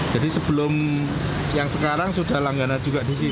jadi sebelum yang sekarang sudah langganan juga di sini